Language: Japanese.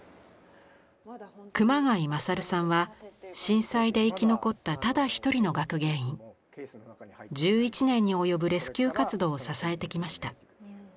熊谷賢さんは震災で生き残ったただ一人の学芸員１１年に及ぶレスキュー活動を支えてきました。